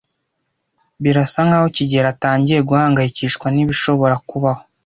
Birasa nkaho kigeli atangiye guhangayikishwa nibishobora kubaho.